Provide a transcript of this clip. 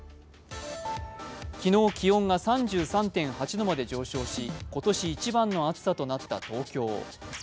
昨日、気温が３３．８度まで上昇し、今年一番の暑さとなった東京。